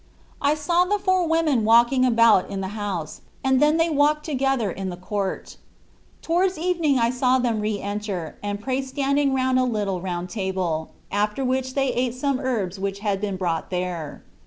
I saw the four women walking about in the house, and then walk together in the court. Towards evening I saw them re enter and pray standing round a little round table, after which they ate some herbs which had been brought there.